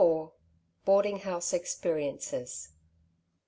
BOARDING HOUSE EXPERIENCES.